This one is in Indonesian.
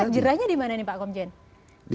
lantas akan jerahnya dimana nih pak komjen